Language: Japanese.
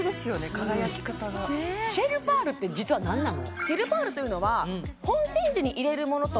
輝き方がシェルパールって実は何なの？